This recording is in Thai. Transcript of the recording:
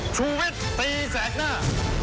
ชุวิตตีแสดหน้า